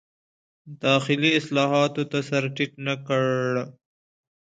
داخلي اصلاحاتو ته سر ټیټ نه کړ.